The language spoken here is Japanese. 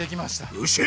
よっしゃ！